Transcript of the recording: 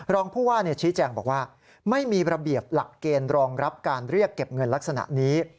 รองผู้ว่าชี้แจงบอกว่าไม่มีระเบียบหลักเกณฑ์รองรับการเรียกเก็บเงินลักษณะนี้